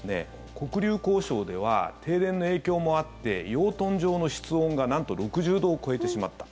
黒竜江省では停電の影響もあって養豚場の室温がなんと６０度を超えてしまった。